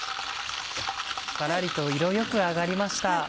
からりと色よく揚がりました。